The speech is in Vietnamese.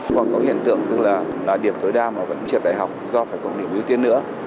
còn có hiện tượng tức là điểm tối đa mà vẫn trượt đại học do phải có điểm ưu tiên nữa